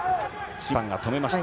審判が止めました。